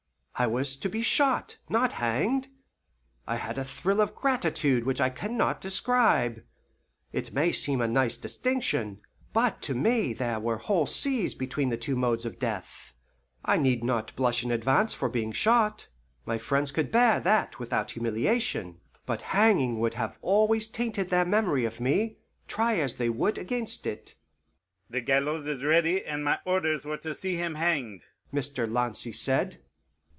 I was to be shot, not hanged. I had a thrill of gratitude which I can not describe. It may seem a nice distinction, but to me there were whole seas between the two modes of death. I need not blush in advance for being shot my friends could bear that without humiliation; but hanging would have always tainted their memory of me, try as they would against it. "The gallows is ready, and my orders were to see him hanged," Mr. Lancy said.